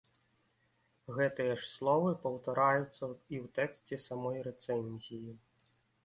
Гэтыя ж словы паўтараюцца і ў тэксце самой рэцэнзіі.